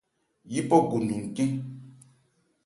Yípɔ go ndu ncɛ́n.